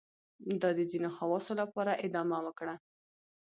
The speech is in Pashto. دا د ځینو خواصو لپاره ادامه وکړه.